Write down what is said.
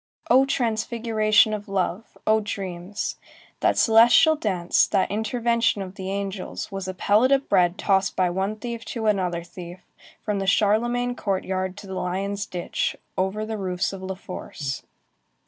Oh transfiguration of love! Oh dreams! That celestial chance, that intervention of the angels, was a pellet of bread tossed by one thief to another thief, from the Charlemagne Courtyard to the Lion's Ditch, over the roofs of La Force.